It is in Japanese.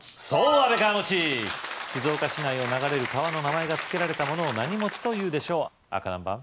安倍川静岡市内を流れる川の名前が付けられたものを何というでしょう赤何番？